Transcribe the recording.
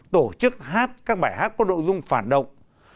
tổ chức hát các bài hát có đội dung phản động